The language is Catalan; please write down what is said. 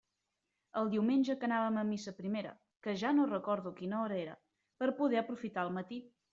El diumenge anàvem a missa primera, que ja no recordo a quina hora era, per poder aprofitar el matí.